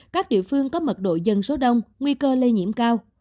các địa phương có mật độ dân số đông nguy cơ lây nhiễm cao